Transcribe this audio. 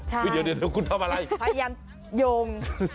เดี๋ยวคุณทำอะไรพยายามโยง